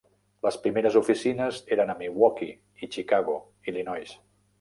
Les primeres oficines eren a Milwaukee i Chicago, Illinois.